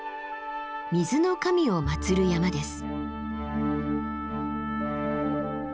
水の神を祀る山です。